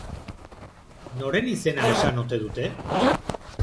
Noren izena esan ote dute?